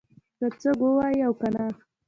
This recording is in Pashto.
که څوک ووایي او کنه